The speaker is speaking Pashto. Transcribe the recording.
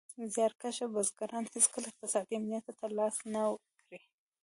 زیار کښه بزګران هېڅکله اقتصادي امنیت تر لاسه نه کړ.